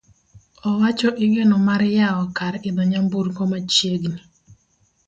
Owacho igeno mar yawo kar idho nyaburkono machiegni.